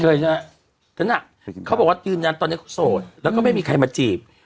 เคยใช่ไหมฉะนั้นอ่ะเขาบอกว่าตอนนี้เขาโสดแล้วก็ไม่มีใครมาจีบ